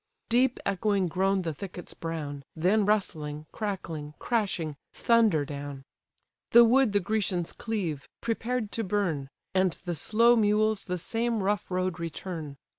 Deep echoing groan the thickets brown; Then rustling, crackling, crashing, thunder down. The wood the Grecians cleave, prepared to burn; And the slow mules the same rough road return.